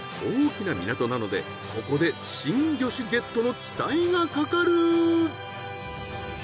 大きな港なのでここで新魚種ゲットの期待がかかる。